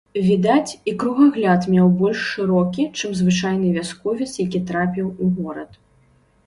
Відаць, і кругагляд меў больш шырокі, чым звычайны вясковец, які трапіў у горад.